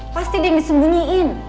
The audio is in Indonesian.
pasti dia yang disembunyiin